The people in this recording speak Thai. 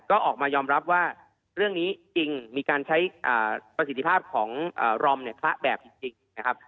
ก็ออกมายอมรับว่าเรื่องนี้จริงมีการใช้ประสิทธิภาพของรอมเนี่ยคละแบบจริงนะครับ